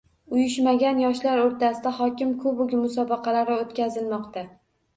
Uyushmagan yoshlar o‘rtasida hokim kubogi musobaqalari o‘tkazilmoqda